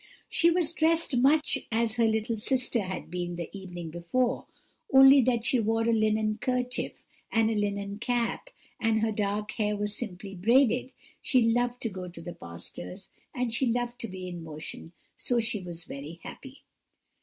"She was dressed much as her little sister had been the evening before, only that she wore a linen kerchief and a linen cap, and her dark hair was simply braided. She loved to go to the pastor's, and she loved to be in motion; so she was very happy.